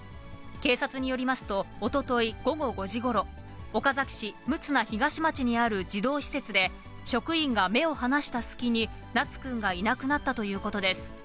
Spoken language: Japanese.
警察によりますと、おととい午後５時ごろ、岡崎市六名東町にある児童施設で、職員が目を離した隙に、名都君がいなくなったということです。